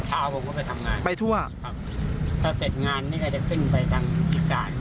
พาผมก็ไปทำงานไปทั่วครับถ้าเสร็จงานนี่ก็จะขึ้นไปทางพิการ